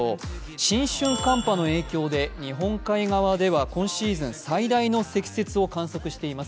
新春寒波の影響で日本海側では今シーズン最大の積雪を観測しています。